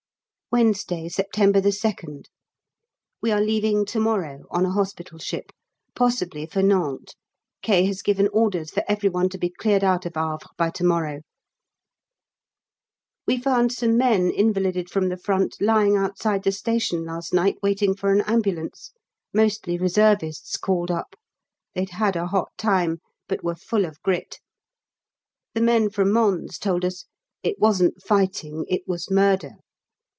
Wednesday, September 2nd. We are leaving to morrow, on a hospital ship, possibly for Nantes K. has given orders for every one to be cleared out of Havre by to morrow. We found some men invalided from the Front lying outside the station last night waiting for an ambulance, mostly reservists called up; they'd had a hot time, but were full of grit. The men from Mons told us "it wasn't fighting it was murder."